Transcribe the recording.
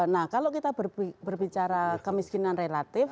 nah kalau kita berbicara kemiskinan relatif